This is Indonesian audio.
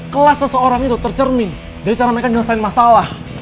kelas seseorang itu tercermin dari cara mereka menyelesaikan masalah